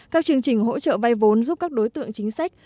các chương trình hỗ trợ vay vốn giúp các đối tượng chính sách